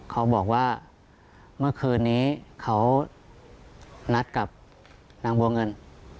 เขาบอกว่าเมื่อคืนนี้เขานัดกับนางบัวเงิน